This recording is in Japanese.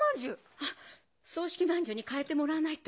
あっ葬式まんじゅうに替えてもらわないと。